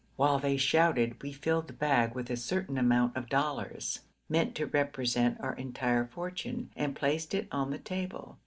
While they shouted we filled the bag with a certain amount of dollars, meant to represent our entire fortune, and placed it on the table.